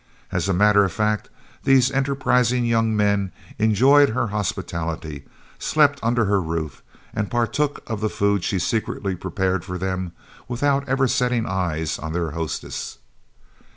As a matter of fact, these enterprising young men enjoyed her hospitality, slept under her roof, and partook of the food she secretly prepared for them without ever setting eyes on their hostess.